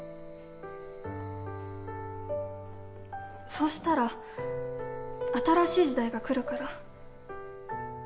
そうしたら新しい時代が来るから。